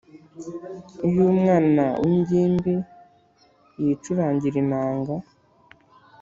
Iyo umwana w’ingimbiYicurangira inanga,